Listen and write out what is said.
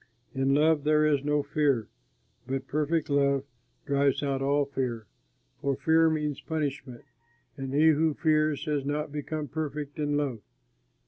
In love there is no fear, but perfect love drives out all fear, for fear means punishment, and he who fears has not become perfect in love.